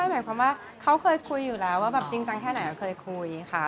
หมายความว่าเขาเคยคุยอยู่แล้วว่าแบบจริงจังแค่ไหนเคยคุยค่ะ